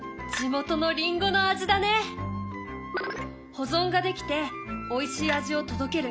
保存ができておいしい味を届ける。